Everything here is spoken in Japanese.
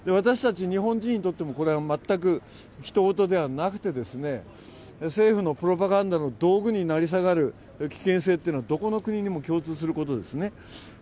私たち日本人にとっても全くひと事ではなくて政府のプロパガンダの道具に成り下がる危険性というのはどこの国にも共通することですね。